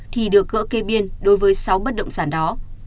thì được gỡ kê biên đối với sáu bất động sản đó